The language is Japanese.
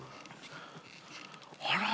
あら。